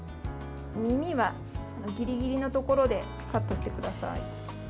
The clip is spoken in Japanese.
耳はギリギリのところでカットしてください。